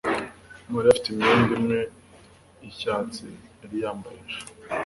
mariya afite imyenda imwe yicyatsi yari yambaye ejo